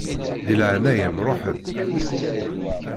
Di leɛnaya-m ṛuḥ-d.